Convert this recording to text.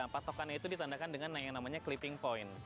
patokannya itu ditandakan dengan yang namanya cleaping point